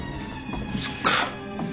そっか。